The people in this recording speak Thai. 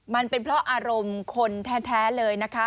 มันเป็นเพราะอารมณ์คนแท้เลยนะคะ